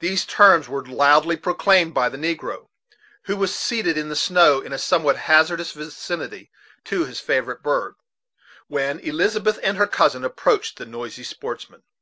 These terms were loudly proclaimed by the negro, who was seated in the snow, in a somewhat hazardous vicinity to his favorite bird, when Elizabeth and her cousin approached the noisy sportsmen.